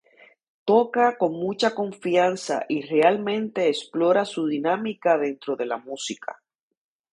Toca con mucha confianza y realmente explora su dinámica dentro de la música.